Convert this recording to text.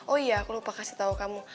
oh iya aku lupa kasih tahu kamu